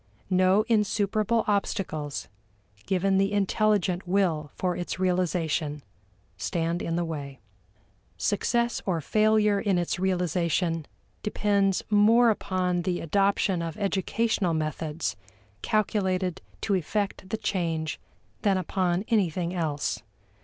No insuperable obstacles, given the intelligent will for its realization, stand in the way. Success or failure in its realization depends more upon the adoption of educational methods calculated to effect the change than upon anything else.